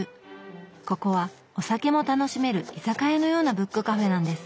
ここはお酒も楽しめる居酒屋のようなブックカフェなんです。